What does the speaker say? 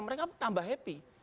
mereka tambah happy